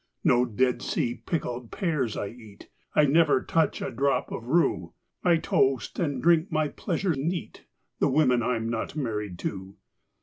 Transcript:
No Dead Sea pickled pears I eat; I never touch a drop of rue; I toast, and drink my pleasure neat, The women I'm not married to!